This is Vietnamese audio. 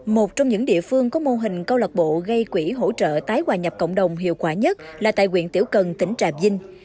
một trong những địa phương có mô hình câu lạc bộ gây quỹ hỗ trợ tái hòa nhập cộng đồng hiệu quả nhất là tại quyện tiểu cần tỉnh trà vinh